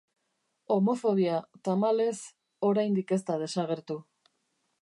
Homofobia, tamalez, oraindik ez da desagertu.